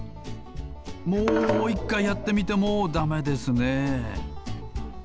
もう１かいやってみてもだめですね。